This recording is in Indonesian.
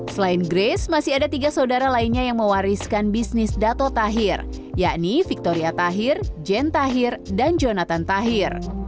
selain grace masih ada tiga saudara lainnya yang mewariskan bisnis dato tahir yakni victoria tahir jane tahir dan jonathan tahir